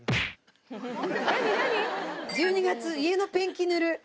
１２月、家のペンキ塗る。